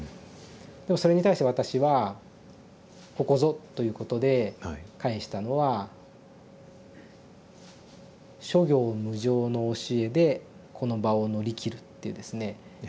でもそれに対して私は「ここぞ」ということで返したのは「諸行無常の教えでこの場を乗り切る」っていうですね。